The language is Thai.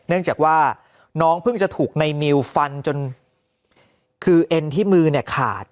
เนื่องจากว่าน้องเพิ่งจะถูกในมิวฟันจนคือเอ็นที่มือเนี่ยขาด